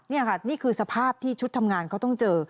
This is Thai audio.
นี่ค่ะนี่คือสภาพที่ชุดทำงานเขาต้องเจอ